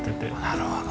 なるほど。